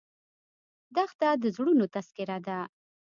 دښته د زړونو تذکره ده.